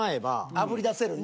あぶり出せるね。